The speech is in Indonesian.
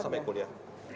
sma sama kuliah